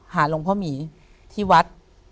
หลวงพ่อหมีที่วัด